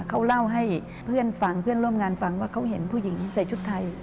เขาเล่าให้เพื่อนฟังเพื่อนร่วมงานฟังว่าเขาเห็นผู้หญิงใส่ชุดไทย